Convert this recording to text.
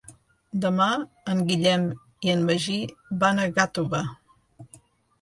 Demà en Guillem i en Magí van a Gàtova.